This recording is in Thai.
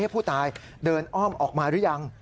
ผู้ตายเดินอ้อมออกมาหรือยัง